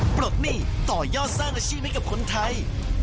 ปลดหนี้ต่อยอดสร้างอาชีพให้กับคนไทย